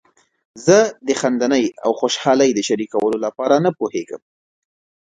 زه د خندنۍ او خوشحالۍ د شریکولو لپاره نه پوهیږم.